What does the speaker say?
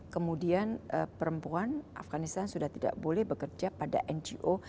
kemudian perempuan afganistan sudah tidak boleh bekerja pada ngo